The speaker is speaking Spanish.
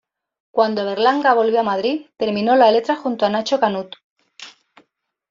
Cuando Berlanga volvió a Madrid terminó la letra junto a Nacho Canut.